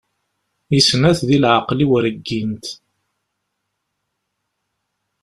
I snat di leɛqeli-iw reggint.